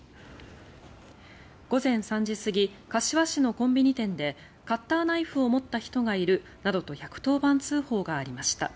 午前３時過ぎ柏市のコンビニ店でカッターナイフを持った人がいるなどと１１０番通報がありました。